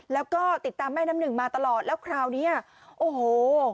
แล้วก็ติดตามแม่น้ำหนึ่งมาตลอดแล้วคราวเนี้ยโอ้โห